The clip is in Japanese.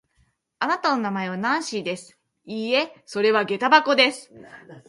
あなたの名前はナンシーです。いいえ、それはげた箱です。